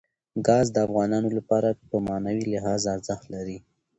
ګاز د افغانانو لپاره په معنوي لحاظ ارزښت لري.